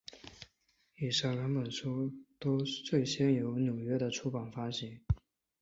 以上两本书都最先由纽约的出版发行。